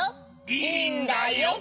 いいんだよ。